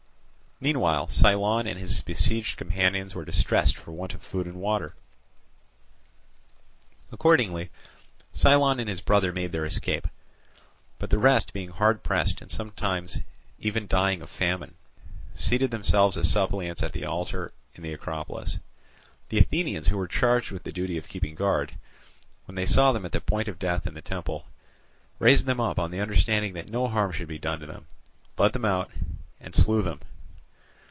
Meanwhile Cylon and his besieged companions were distressed for want of food and water. Accordingly Cylon and his brother made their escape; but the rest being hard pressed, and some even dying of famine, seated themselves as suppliants at the altar in the Acropolis. The Athenians who were charged with the duty of keeping guard, when they saw them at the point of death in the temple, raised them up on the understanding that no harm should be done to them, led them out, and slew them.